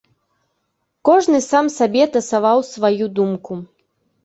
Кожны сам сабе тасаваў сваю думку.